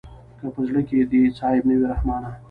که په زړه کښې دې څه عيب نه وي رحمانه.